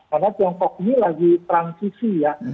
karena tiongkok ini lagi transisi ya